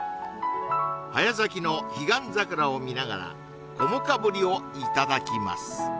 早咲きの彼岸桜を見ながらこもかぶりをいただきます